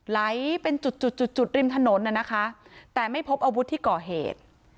ไหลเป็นจุดจุดจุดริมถนนน่ะนะคะแต่ไม่พบอาวุธที่ก่อเหตุ